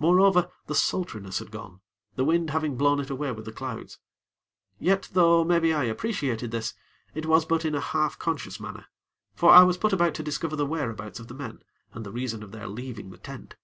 Moreover, the sultriness had gone, the wind having blown it away with the clouds; yet though, maybe, I appreciated this, it was but in a half conscious manner; for I was put about to discover the whereabouts of the men, and the reason of their leaving the tent.